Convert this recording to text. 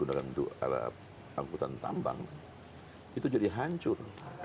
dengan angkutan tambang itu jadi hancur